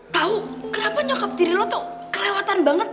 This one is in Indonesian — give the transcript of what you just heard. tau kenapa nyokap tiri lo tuh kelewatan banget